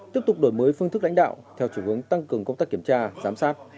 tiếp tục đổi mới phương thức lãnh đạo theo chủ hướng tăng cường công tác kiểm tra giám sát